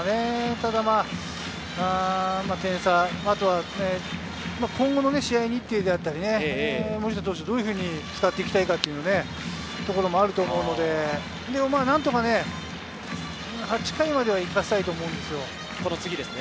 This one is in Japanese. ただ点差、今後の試合日程であったり、森下投手をどういう風に使ってきたいかっていうところもあると思うので、何とか８回までは行かせたいと思うんですよ。